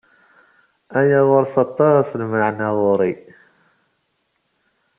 Aya ɣur-s aṭas n lmeɛna ɣur-i.